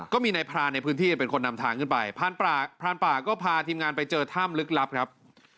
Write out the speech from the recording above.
ก็มีนายพรานในพื้นที่เป็นคนนำทางขึ้นไปพรานป่าก็พาทีมงานไปเจอถ้ำลึกลับครับ